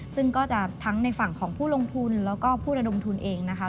ซึ่งก็จะทั้งในฝั่งของผู้ลงทุนแล้วก็ผู้ระดมทุนเองนะคะ